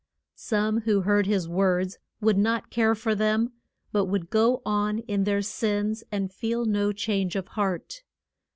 Some who heard his words would not care for them, but would go on in their sins and feel no change of heart.